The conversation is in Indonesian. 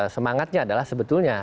semangatnya adalah sebetulnya